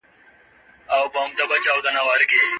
انار د پوستکي د رطوبت ساتلو کې مرسته کوي.